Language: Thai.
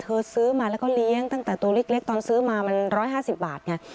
เธอซื้อมาแล้วก็เลี้ยงตั้งแต่ตัวเล็กเล็กตอนซื้อมามันร้อยห้าสิบบาทไง